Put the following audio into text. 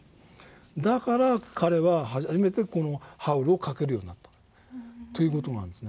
だから彼は初めてこの「ＨＯＷＬ」を書けるようになったという事があるんですね。